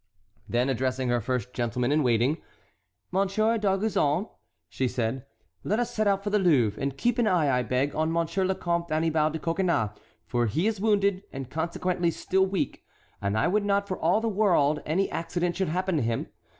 Then addressing her first gentleman in waiting: "Monsieur d'Arguzon," she said, "let us set out for the Louvre, and keep an eye, I beg, on Monsieur le Comte Annibal de Coconnas, for he is wounded, and consequently still weak; and I would not for all the world any accident should happen to him.